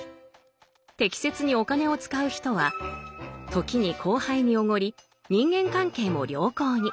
適切にお金を使う人は時に後輩におごり人間関係も良好に。